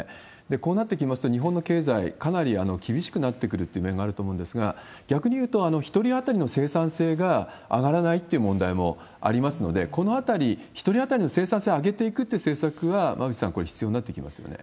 こうなってきますと、日本の経済、かなり厳しくなってくるという面があると思うんですが、逆にいうと、１人当たりの生産性が上がらないっていう問題もありますので、このあたり、１人当たりの生産性を上げていくっていう政策は、馬渕さん、これ、必要になってきますよね。